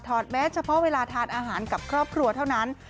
แม้เฉพาะเวลาทานอาหารกับครอบครัวเท่านั้น